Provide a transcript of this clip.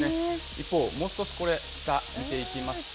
一方、もう少し、これ、下を見ていきますと。